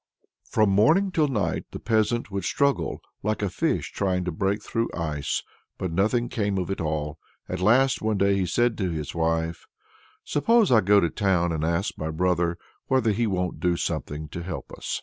From morning till night the peasant would struggle, like a fish trying to break through ice, but nothing came of it all. At last one day he said to his wife: "Suppose I go to town, and ask my brother whether he won't do something to help us."